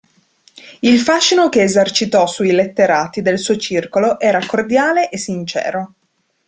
Il fascino che esercitò sui letterati del suo circolo era cordiale e sincero.